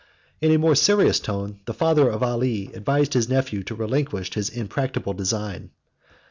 In a more serious tone, the father of Ali advised his nephew to relinquish his impracticable design.